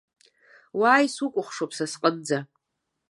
Уааи, сукәыхшоуп са сҟынӡа!